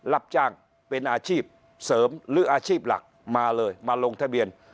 รับจ้างเป็นอาชีพเสริมหรืออาชีพหลักมาเลยมาลงทะเบียน